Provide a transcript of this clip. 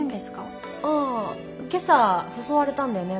ああ今朝誘われたんだよね